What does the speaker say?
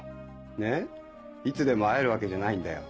ねっいつでも会えるわけじゃないんだよ。